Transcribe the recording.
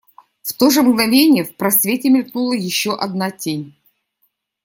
В то же мгновение в просвете мелькнула еще одна тень.